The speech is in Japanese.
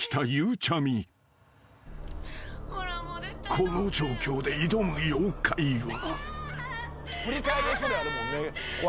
［この状況で挑む妖怪は］